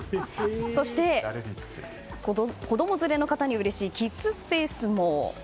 そして、子供連れの方にうれしいキッズスペースも。